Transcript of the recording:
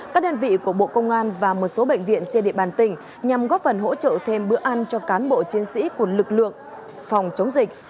các đơn vị của bộ công an và một số bệnh viện trên địa bàn tỉnh nhằm góp phần hỗ trợ thêm bữa ăn cho cán bộ chiến sĩ của lực lượng phòng chống dịch